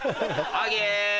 アゲ。